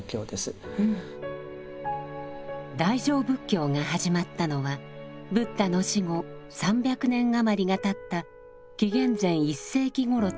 大乗仏教が始まったのはブッダの死後３００年余りがたった紀元前１世紀頃とされます。